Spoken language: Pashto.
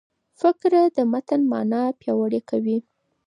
فقره د متن مانا پیاوړې کوي.